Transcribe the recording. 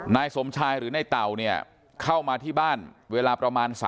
นายสมชายหรือในเต่าเนี่ยเข้ามาที่บ้านเวลาประมาณ